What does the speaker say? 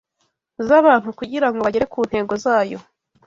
z’abantu kugira ngo bagere ku ntego zayo